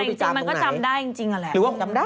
แต่มันก็จำดายิ่งใจ